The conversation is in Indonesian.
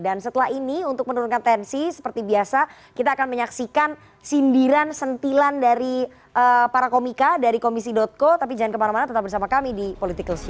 dan setelah ini untuk menurunkan tensi seperti biasa kita akan menyaksikan sindiran sentilan dari para komika dari komisi co tapi jangan kemana mana tetap bersama kami di politikalshow